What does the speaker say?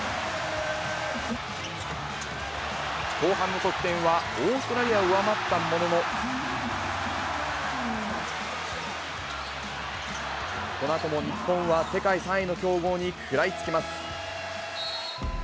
後半の得点はオーストラリアを上回ったものの、このあとも日本は、世界３位の強豪に食らいつきます。